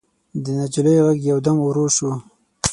د نجلۍ غږ يودم ورو شو.